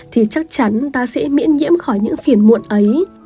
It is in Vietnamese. thì chắc chắn ta sẽ miễn nhiễm khỏi những phiền muộn ấy